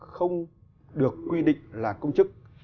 không được quy định là công chức